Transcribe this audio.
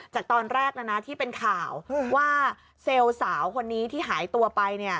จากตอนแรกที่เป็นข่าวว่าเซลล์สาวคนนี้ที่หายตัวไป